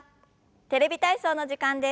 「テレビ体操」の時間です。